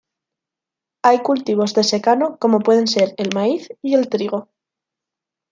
Hay cultivos de secano como pueden ser el maíz y el trigo